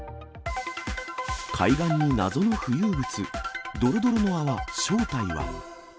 海岸に謎の浮遊物、どろどろの泡、正体は？